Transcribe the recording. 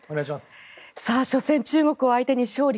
初戦、中国を相手に勝利。